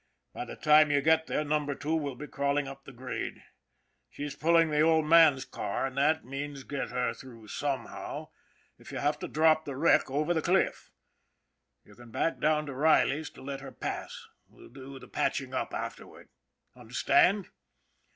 By the time you get there, Number Two will be crawling up the grade. She's pulling the Old Man's car, and that means get THE LITTLE SUPER 33 her through somehow if you have to drop the wreck over the cliff. You can back down to Riley's to let her pass. We'll do the patching up afterward. Under stand?"